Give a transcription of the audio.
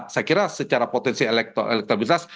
saya kira secara potensi elektabilitas